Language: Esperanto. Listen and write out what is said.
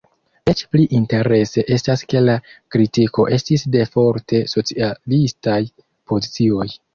Eĉ pli interese estas ke la kritiko estis de forte socialistaj pozicioj.